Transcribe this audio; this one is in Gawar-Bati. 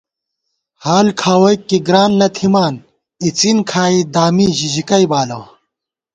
حال کھاوَئیک کی گران نہ تھِمان، اِڅِن کھائی دامی ژِژِکَئ بالہ